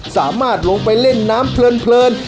สามารถลงไปเล่นน้ำเพลิน